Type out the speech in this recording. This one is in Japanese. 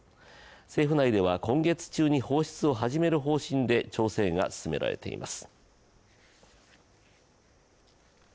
政府内では今月中に放出を始める方向で調整が進められています。